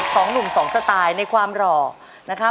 สองหนุ่มสองสไตล์ในความหล่อนะครับ